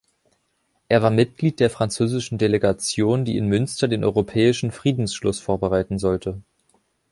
Er war Mitglied der französischen Delegation, die in Münster den europäischen Friedensschluss vorbereiten sollte.